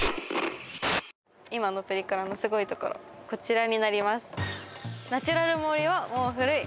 今のプリクラのすごいところこちらになります